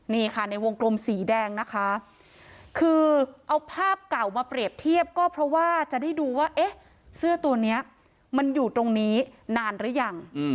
นี่ค่ะในวงกลมสีแดงนะคะคือเอาภาพเก่ามาเปรียบเทียบก็เพราะว่าจะได้ดูว่าเอ๊ะเสื้อตัวนี้มันอยู่ตรงนี้นานหรือยัง